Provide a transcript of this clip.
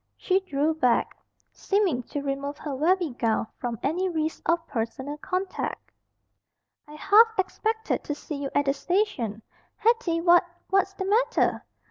She drew back, seeming to remove her very gown from any risk of personal contact. "I half expected to see you at the station. Hetty, what what's the matter?"